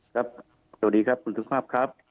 ครับสวัสดีครับคุณทุกครับครับ